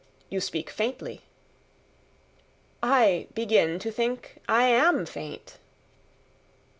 You speak faintly." "I begin to think I am faint."